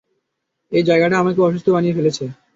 এই জায়গাটা আমাকে অসুস্থ বানিয়ে ফেলেছে!